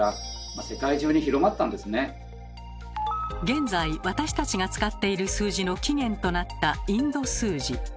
現在私たちが使っている数字の起源となったインド数字。